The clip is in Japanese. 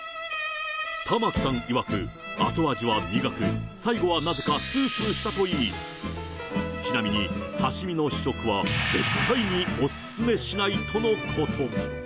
玉木さんいわく、後味は苦く、最後はなぜかすーすーしたといい、ちなみに、刺身の試食は絶対にお勧めしないとのこと。